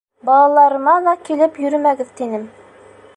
Балаларыма ла килеп йөрөмәгеҙ тинем.